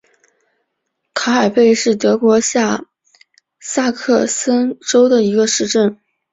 卡尔贝是德国下萨克森州的一个市镇。